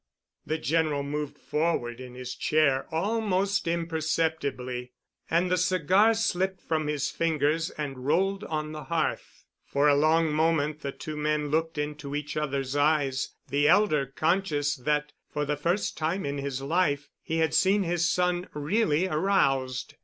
The General moved forward in his chair almost imperceptibly, and the cigar slipped from his fingers and rolled on the hearth. For a long moment the two men looked into each other's eyes, the elder conscious that for the first time in his life he had seen his son really aroused.